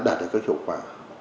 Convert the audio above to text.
đã đạt được các hiệu quả